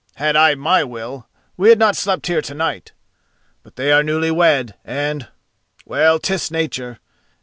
Had I my will, we had not slept here to night. But they are newly wed, and—well, 'tis nature!